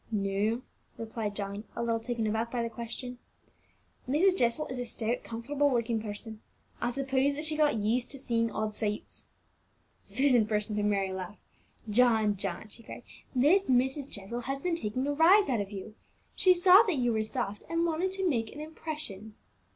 "No," replied John, a little taken aback by the question. "Mrs. Jessel is a stout, comfortable looking person. I suppose that she got used to seeing odd sights." Susan burst into a merry laugh. "John, John," she cried, "this Mrs. Jessel has been taking a rise out of you. She saw that you were soft, and wanted to make an impression."